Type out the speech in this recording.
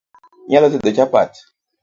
Inyalo tedo chapat